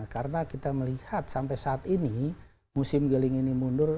karena kita melihat sampai saat ini musim geling ini mundur